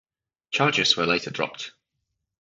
Charges were later dropped.